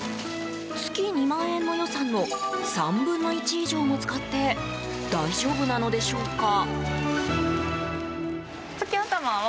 月２万円の予算の３分の１以上も使って大丈夫なのでしょうか。